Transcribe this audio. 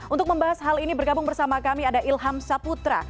untuk membahas hal ini bergabung bersama kami ada ilham saputra